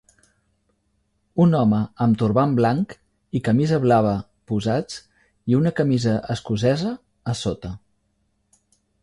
Un home amb turbant blanc i camisa blava posats i una camisa escocesa a sota